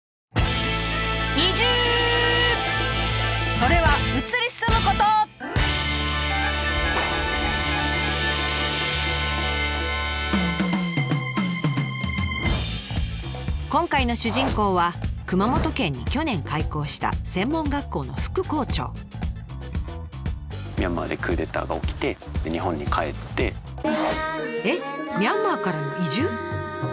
それは今回の主人公は熊本県に去年開校したえっミャンマーからの移住？